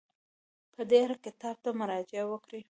په دې اړه کتاب ته مراجعه وکړئ.